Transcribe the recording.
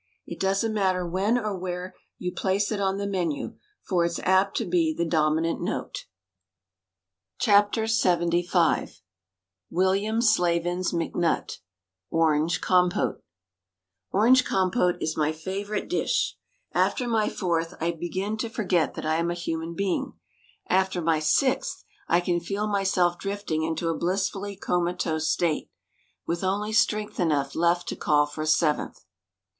It doesn't matter when or where you place it on the menu, for it's apt to be the dominant note! THE STAG COOK BOOK LXXV W^illiam Slavins McNutt ORANGE COMPOTE Orange Compote is my favorite dish. After my fourth I begin to forget that I'm a human being. After my sixth I can feel myself drifting into a blissfully comatose state — ^with only strength enough left to call for a seventh.